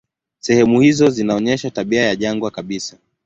Sehemu hizo zinaonyesha tabia ya jangwa kabisa.